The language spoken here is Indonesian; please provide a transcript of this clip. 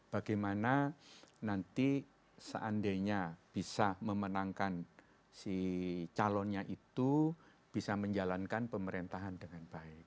bagaimana nanti seandainya bisa memenangkan si calonnya itu bisa menjalankan pemerintahan dengan baik